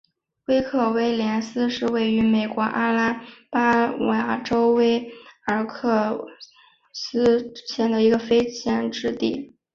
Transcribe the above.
麦克威廉斯是位于美国阿拉巴马州威尔科克斯县的一个非建制地区。